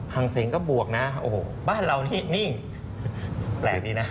เสียงก็บวกนะโอ้โหบ้านเรานี่แปลกดีนะ